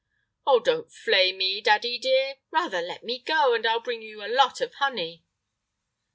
"Oh, don't flay me, daddy dear! Rather let me go, and I'll bring you a lot of honey."